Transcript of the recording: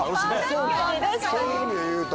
そうかそういう意味でいうと。